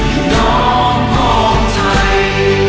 พี่น้องพองไทย